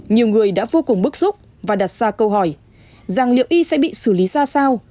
nhiều người đã vô cùng bức xúc và đặt ra câu hỏi rằng liệu y sẽ bị xử lý ra sao